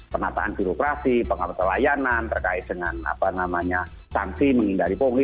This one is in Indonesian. penataan birokrasi pengawasan layanan terkait dengan apa namanya sanksi menghindari pungli